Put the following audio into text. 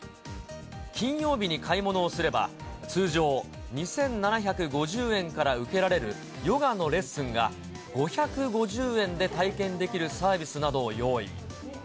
金曜日に買い物をすれば、通常、２７５０円から受けられるヨガのレッスンが５５０円で体験できるサービスなどを用意。